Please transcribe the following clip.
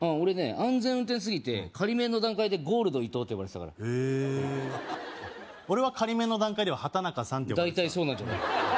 安全運転すぎて仮免の段階でゴールド伊藤って呼ばれてたからへえっ俺は仮免の段階では畠中さんって大体そうなんじゃない？